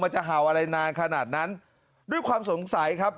จะเห่าอะไรนานขนาดนั้นด้วยความสงสัยครับ